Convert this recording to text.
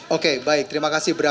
oke baik terima kasih